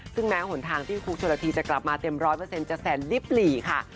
ซึ่งแม้หนทางที่ครูชนละทีจะกลับมาเต็มร้อยเปอร์เซ็นจะแสนลิบหลีค่ะ